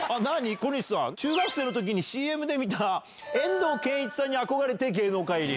小西さん、中学生のときに、ＣＭで見た遠藤憲一さんに憧れて芸能界入り。